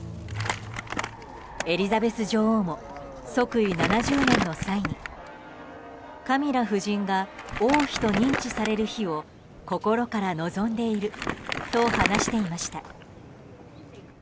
エリザベス女王も即位７０年の際にカミラ夫人が王妃と認知される日を心から望んでいると話していました。